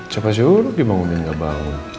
coba suruh dibangunin gak bau